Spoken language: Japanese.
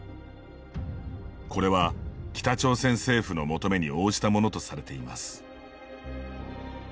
これは北朝鮮政府の求めに応じたものとされています。